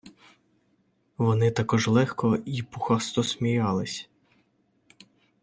Вони також легко й пухасто сміялись.